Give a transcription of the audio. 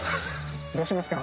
どうしますか？